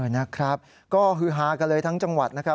นะครับก็คือฮากันเลยทั้งจังหวัดนะครับ